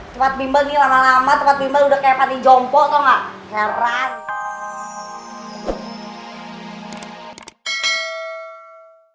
cepat bimbel nih lama lama cepat bimbel udah kayak panti jompo toh enggak keren